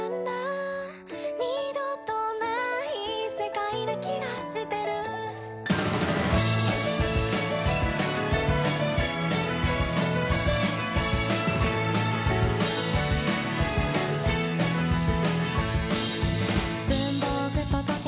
「二度とない世界な気がしてる」「文房具と時計